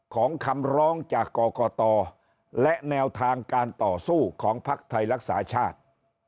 คำร้องจากกรกตและแนวทางการต่อสู้ของภักดิ์ไทยรักษาชาติ